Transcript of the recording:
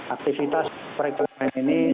aktivitas perekonomian ini